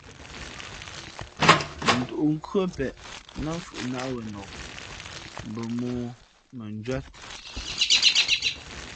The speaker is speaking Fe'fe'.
Ndǔʼ nkhʉ́ά pěʼ nά mfhʉʼnāt wenok, mbα mōō mbα njwíat.